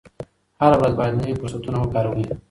هره ورځ باید نوي فرصتونه وکاروئ.